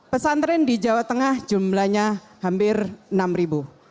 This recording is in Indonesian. pesantren di jawa tengah jumlahnya hampir enam ribu